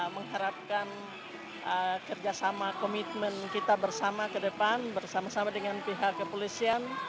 mengharapkan kerjasama komitmen kita bersama ke depan bersama sama dengan pihak kepolisian